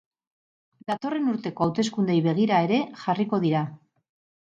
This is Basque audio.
Datorren urteko hauteskundeei begira ere jarriko dira.